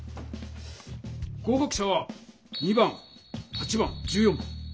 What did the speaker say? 合かく者は２番８番１４番。